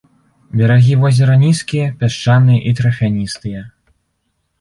Берагі возера нізкія, пясчаныя і тарфяністыя.